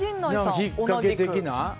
ひっかけ的な？